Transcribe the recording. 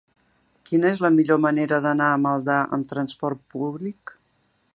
Quina és la millor manera d'anar a Maldà amb trasport públic?